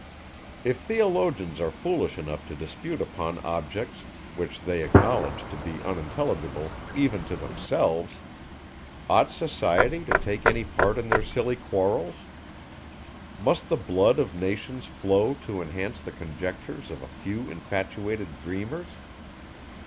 If theologians are foolish enough to dispute upon objects, which they acknowledge to be unintelligible even to themselves, ought society to take any part in their silly quarrels? Must the blood of nations flow to enhance the conjectures of a few infatuated dreamers?